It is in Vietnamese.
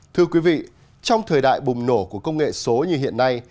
thưa quý vị trong thời đại bùng nổ của công nghệ số như hiện nay